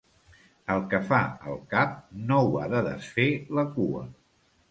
El que fa el cap no ho ha de desfer la cua.